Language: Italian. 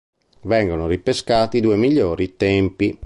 Vengono ripescati i due migliori tempi.